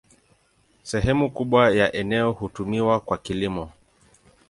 Sehemu kubwa ya eneo hutumiwa kwa kilimo.